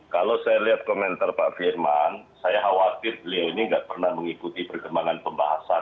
kalau saya lihat komentar pak firman saya khawatir beliau ini tidak pernah mengikuti perkembangan pembahasan